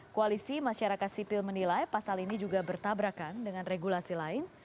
koalisi masyarakat sipil menilai pasal ini juga bertabrakan dengan regulasi lain